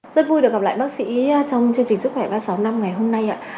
rất vui được gặp lại bác sĩ trong chương trình sức khỏe ba sáu năm ngày hôm nay